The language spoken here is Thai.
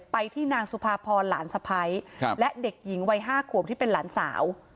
ไปที่นางสุภาพรหลานสะพ้ายและเด็กหญิงวัย๕ขวบที่เป็นหลานสาว